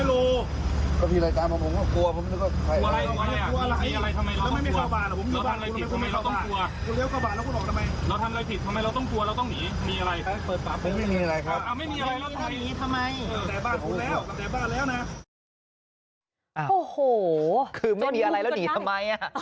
โอ้โหคือไม่มีอะไรแล้วหนีทำไม